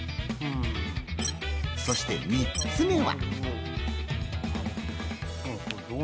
そして３つ目は。